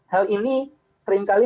hal ini seringkali